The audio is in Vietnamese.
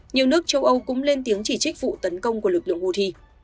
nhiều nước châu âu cũng lên tiếng chỉ trích vụ tấn công của lực lượng houthi